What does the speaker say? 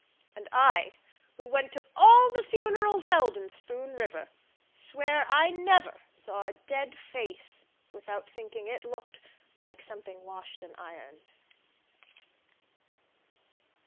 And I, who went to all the funerals Held in Spoon River, swear I never Saw a dead face without thinking it looked Like something washed and ironed.